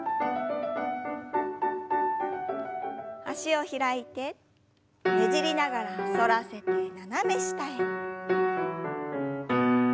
脚を開いてねじりながら反らせて斜め下へ。